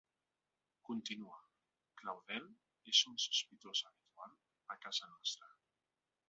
Continua: Claudel és un sospitós habitual a casa nostra.